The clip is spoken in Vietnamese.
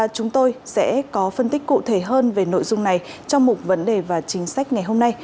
chúng tôi sẽ có phân tích cụ thể hơn về nội dung này trong mục vấn đề và chính sách ngày hôm nay